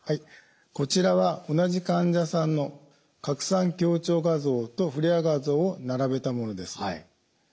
こちらは同じ患者さんの拡散強調画像とフレアー画像を並べたものです。